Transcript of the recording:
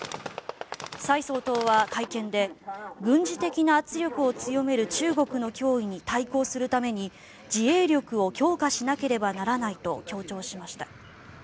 蔡総統は会見で軍事的な圧力を強める中国の脅威に対抗するために、自衛力を強化しなければならないと強調しました。